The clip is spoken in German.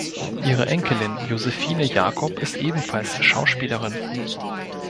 Ihre Enkelin Josephine Jacob ist ebenfalls Schauspielerin.